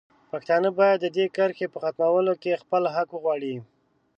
پښتانه باید د دې کرښې په ختمولو کې خپل حق وغواړي.